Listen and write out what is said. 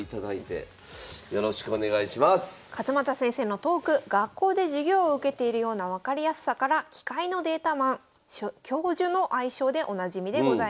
勝又先生のトーク学校で授業を受けているような分かりやすさからの愛称でおなじみでございます。